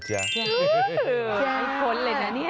จ๊ะไอ้คนเลยนะเนี่ย